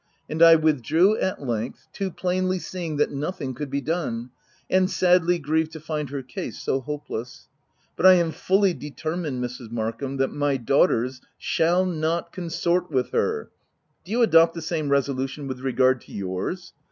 And I withdrew at length, too plainly seeing that nothing could be done — and sadly grieved to find her case so hopeless. But I am fully determined, Mrs. Markhain, that my daughters — shall — not — con sort with her. Do you adopt the same reso lution with regard to yours